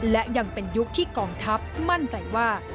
และยังเป็นยุคที่กองทัพมั่นใจว่า